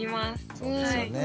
そうですよね。